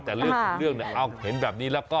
แต่เรื่องของเรื่องเนี่ยเอาเห็นแบบนี้แล้วก็